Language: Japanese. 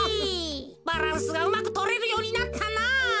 バランスがうまくとれるようになったなぁ。